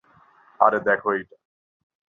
আরে, দেখো এটা।